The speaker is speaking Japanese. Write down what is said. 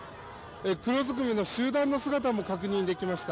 黒ずくめの集団の姿も確認できました。